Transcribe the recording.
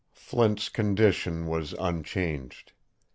Flint's condition was unchanged.